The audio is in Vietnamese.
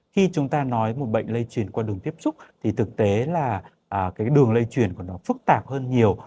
khi chúng ta nói một bệnh lây chuyển qua đường tiếp xúc thì thực tế là cái đường lây truyền của nó phức tạp hơn nhiều